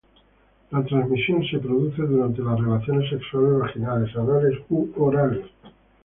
La transmisión se produce durante las relaciones sexuales vaginales, anales u orales.